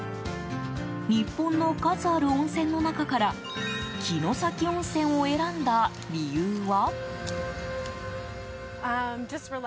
日本の数ある温泉の中から城崎温泉を選んだ理由は？